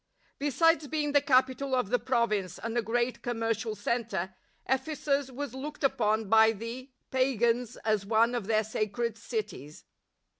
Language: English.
^ Besides being the capital of the Province and a great commercial centre, Ephesus was looked upon by the pagans as one of their sacred cities.